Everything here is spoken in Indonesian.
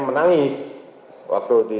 menangis waktu di